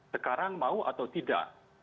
sekarang mau atau tidak